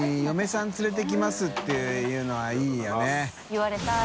言われたい。